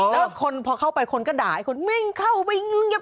แล้วพอเข้าไปคนก็ด่าไอ้คนเม่งเข้าไป